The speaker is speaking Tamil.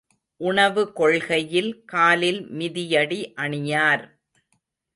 உணவு கொள்கையில் காலில் மிதியடி அணியார்.